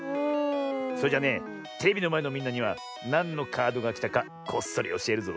それじゃねテレビのまえのみんなにはなんのカードがきたかこっそりおしえるぞ。